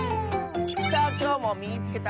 さあきょうも「みいつけた！」